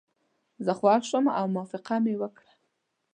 زه خوښ شوم او موافقه مې وکړه.